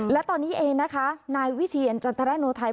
และตอนนี้เองนะคะนายวิเทียนจันทรโนไทย